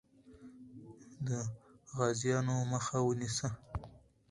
د غازیانو مخه ونیسه.